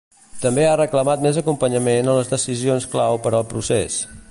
També ha reclamat més acompanyament en les decisions clau per al procés.